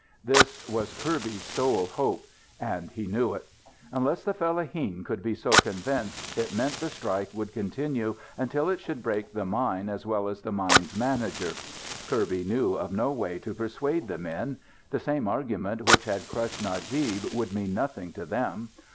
This was Kirby's sole hope. And he knew it. Unless the fellaheen could be so convinced, it meant the strike would continue until it should break the mine as well as the mine's manager. Kirby knew of no way to persuade the men. The same arguments which had crushed Najib would mean nothing to them.